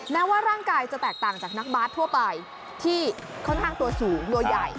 แม้ว่าร่างกายจะแตกต่างจากนักบาสทั่วไปที่ค่อนข้างตัวสูงตัวใหญ่